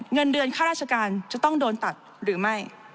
เงินเดือนค่าราชการจะต้องโดนตัดหรือไม่